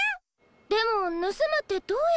でもぬすむってどうやって？